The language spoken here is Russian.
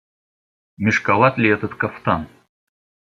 Мешковат ли этот кафтан?